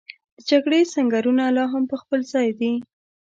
د جګړې سنګرونه لا هم په خپل ځای دي.